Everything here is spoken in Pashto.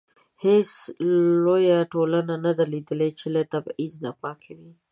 هیڅ لویه ټولنه نه ده لیدلې چې له تبعیض پاکه وي.